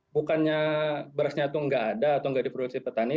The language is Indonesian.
bukannya berasnya itu nggak ada atau nggak diproduksi petani